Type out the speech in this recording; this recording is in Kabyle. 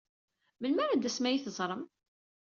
Melmi ad tasem ad iyi-teẓṛem?